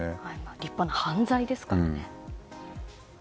立派な犯罪ですからね。